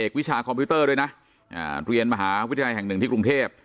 วิชาคอมพิวเตอร์ด้วยนะเรียนมหาวิทยาลัยแห่งหนึ่งที่กรุงเทพ